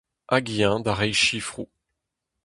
Hag eñ da reiñ sifroù.